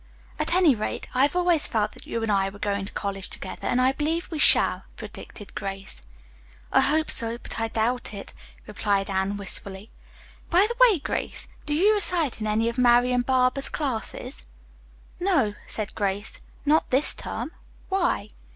"At any rate, I have always felt that you and I were going to college together, and I believe we shall," predicted Grace. "I hope so, but I doubt it," replied Anne wistfully. "By the way, Grace, do you recite in any of Marian Barber's classes?" "No," said Grace, "not this term. Why?"